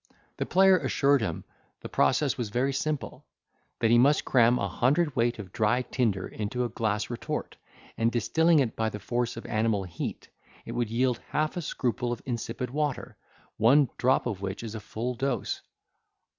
The player assured him the process was very simple—that he must cram a hundred weight of dry tinder into a glass retort, and, distilling it by the force of animal heat, it would yield half a scruple of insipid water, one drop of which is a full dose.